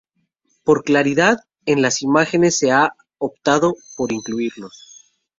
Por claridad en las imágenes se ha optado por incluirlos.